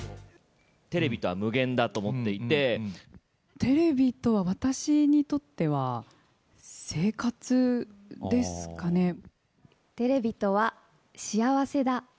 テレビとは、無限だと思ってテレビとは、私にとっては生テレビとは、幸せだ。